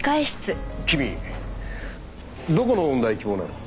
君どこの音大希望なの？